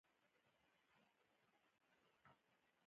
د یو چا د احسان اعتراف کول لوړ صفت دی.